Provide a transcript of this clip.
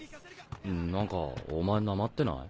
何かお前なまってない？